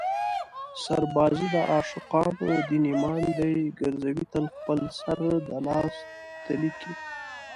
سربازي د عاشقانو دین ایمان دی ګرزوي تل خپل سر د لاس تلي کې